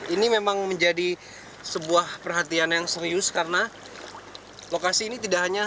ini memang menjadi sebuah perhatian yang serius karena lokasi ini tidak hanya